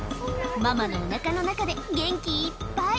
ママのおなかの中で元気いっぱい。